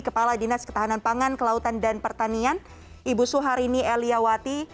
kepala dinas ketahanan pangan kelautan dan pertanian ibu suharini eliawati